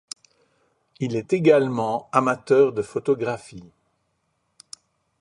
Il est également amateur de photographie.